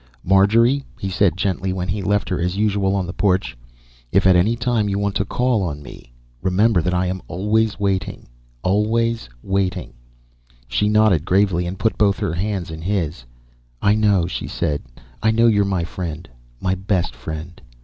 "Marjorie," he said gently, when he left her, as usual, on the porch, "if at any time you want to call on me, remember that I am always waiting, always waiting." She nodded gravely and put both her hands in his. "I know," she said. "I know you're my friend, my best friend."